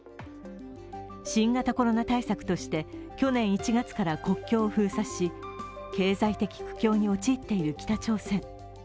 新型コロナ対策として去年１月から国境を封鎖し、経済的苦境に陥っている北朝鮮。